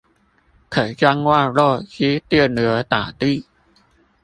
可將外漏之電流導地